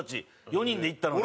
４人で行ったのに。